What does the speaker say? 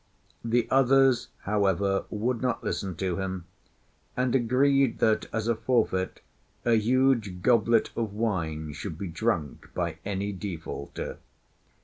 The others, however, would not listen to him, and agreed that as a forfeit a huge goblet of wine should be drunk by any defaulter.